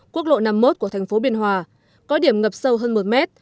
quốc lộ năm mươi một của thành phố biên hòa có điểm ngập sâu hơn một mét